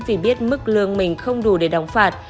vì biết mức lương mình không đủ để đóng phạt